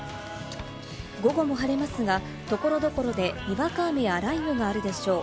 午後も晴れますが、所々でにわか雨や雷雨があるでしょう。